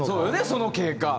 その経過。